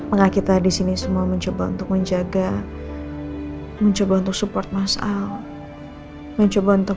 enggak kita disini semua mencoba untuk menjaga mencoba untuk support masal mencoba untuk